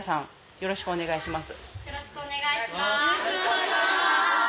よろしくお願いします。